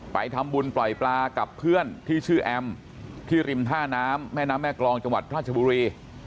ไปทำบุญปล่อยปลากับเพื่อนที่ชื่อแอมที่ริมท่าน้ำแม่น้ำแม่กรองจังหวัดราชบุรี